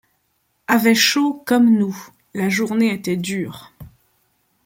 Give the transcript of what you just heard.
Avaient chaud comme nous. La journée était dure.